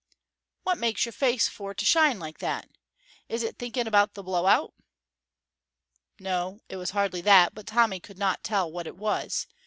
"What makes your face for to shine like that? Is it thinking about the blow out?" No, it was hardly that, but Tommy could not tell what it was.